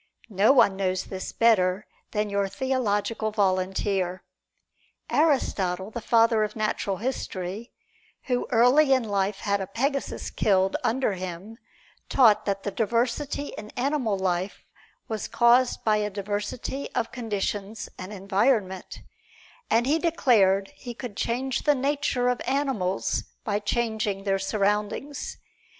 No one knows this better than your theological volunteer. Aristotle, the father of natural history, who early in life had a Pegasus killed under him, taught that the diversity in animal life was caused by a diversity of conditions and environment, and he declared he could change the nature of animals by changing their surroundings.